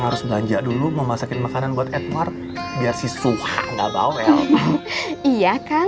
harus belanja dulu memasakin makanan buat edward biar siswa enggak bawel iya kan